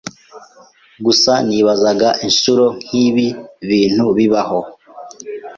Gusa nibazaga inshuro nkibi bintu bibaho.